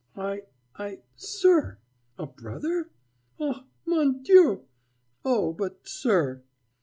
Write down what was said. "I I, sir! A brother? Ah, mon Dieu! Oh, but, sir